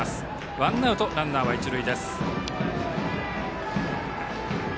ワンアウト、ランナーは一塁。